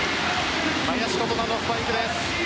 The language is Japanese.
林琴奈のスパイクです。